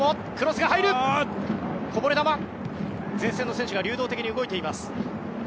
前線の選手が流動的に動いています。